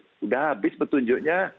sudah habis petunjuknya